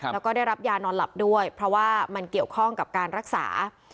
แล้วก็ได้รับยานอนหลับด้วยเพราะว่ามันเกี่ยวข้องกับการรักษา